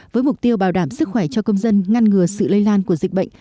với mục tiêu bảo đảm sức khỏe cho công dân ngăn ngừa sự lây lan của dịch bệnh